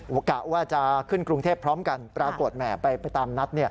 กะว่าจะขึ้นกรุงเทพพร้อมกันปรากฏแหมไปตามนัด